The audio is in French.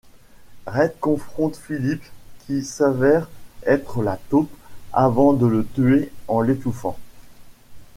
Red confronte Phillips, qui s'avère être la taupe, avant de le tuer en l'étouffant.